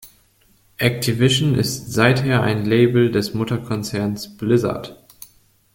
Activision ist seither ein Label des Mutterkonzerns Blizzard.